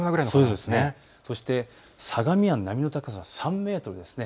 そして相模湾、波の高さ３メートルです。